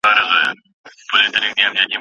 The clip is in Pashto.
د ازل غشي ویشتلی پر ځیګر دی